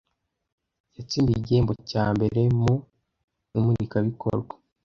Yatsindiye igihembo cya mbere mu imurikabikorwa.